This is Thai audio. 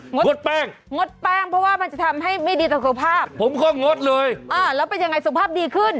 ดงดแป้งงดแป้งเพราะว่ามันจะทำให้ไม่ดีต่อสุขภาพผมก็งดเลยอ่าแล้วเป็นยังไงสุขภาพดีขึ้น